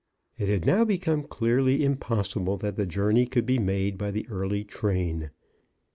It had now become clearly impossible that the journey could be made by the early train.